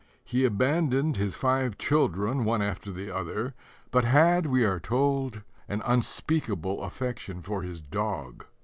He abandoned his five children one after the other, but had, we are told, an unspeakable affection for his dog."